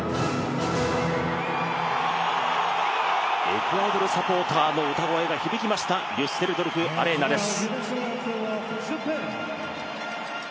エクアドルサポーターの歌声が響きましたデュッセルドルフ・アレーナです。